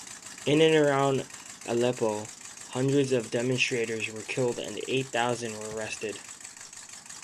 In and around Aleppo, hundreds of demonstrators were killed, and eight thousand were arrested.